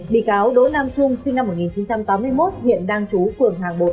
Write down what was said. bị cáo đỗ nam trung sinh năm một nghìn chín trăm tám mươi một hiện đang chú phường hàng một